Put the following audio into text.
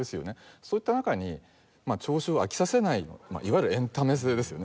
そういった中に聴衆を飽きさせないいわゆるエンタメ性ですよね